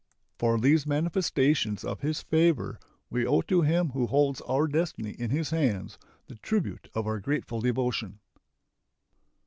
For these manifestations of His favor we owe to Him who holds our destiny in His hands the tribute of our grateful devotion.